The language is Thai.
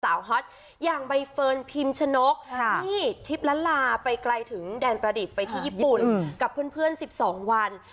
ฮอตอย่างใบเฟิร์นพิมชนกที่ทิพย์ละลาไปไกลถึงแดนประดิษฐ์ไปที่ญี่ปุ่นกับเพื่อน๑๒วัน